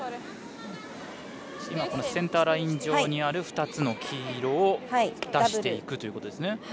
センターライン上にある２つの黄色を出していくということですね。